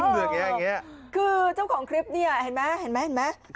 คือเจ้าของคลิปเนี่ยเห็นไหม